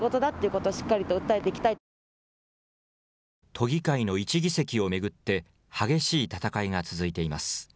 都議会の１議席を巡って、激しい戦いが続いています。